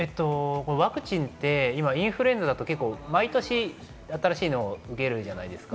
ワクチンって今、インフルエンザだと毎年新しいのを受けるじゃないですか。